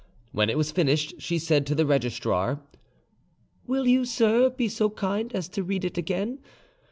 When it was finished, she said to the registrar, "Will you, sir, be so kind as to read it again?